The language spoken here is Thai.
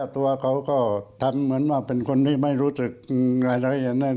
ตัวเขาก็ทำเหมือนว่าเป็นคนที่ไม่รู้สึกรายละเอียดแน่น